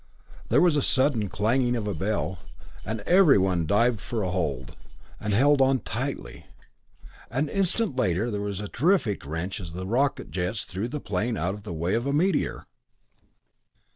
There was a sudden clanging of a bell, and everyone dived for a hold, and held on tightly. An instant later there was a terrific wrench as the rocket jets threw the plane out of the way of a meteor.